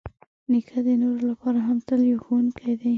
نیکه د نورو لپاره هم تل یو ښوونکی دی.